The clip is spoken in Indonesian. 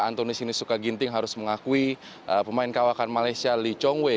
antoni sinisuka ginting harus mengakui pemain kawakan malaysia lee chong wei